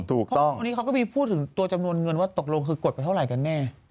เพราะวันนี้เขาก็มีพูดถึงตัวจำนวนเงินว่าตกลงคือกดไปเท่าไหร่กันแน่